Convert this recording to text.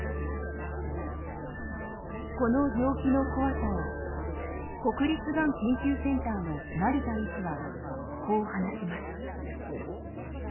この病気の怖さを国立がん研究センターの成田医師はこう話します。